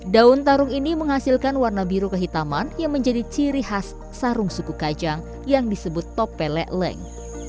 daun tarung ini menghasilkan warna biru kehitaman yang menjadi ciri khas sarung suku kajang yang disebut top pelek leng